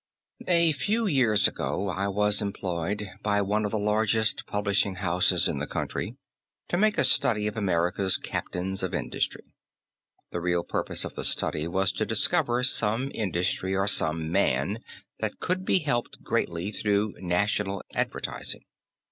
A few years ago I was employed by one of the largest publishing houses in the country to make a study of America's captains of industry. The real purpose of the study was to discover some industry or some man that could be helped greatly through national advertising.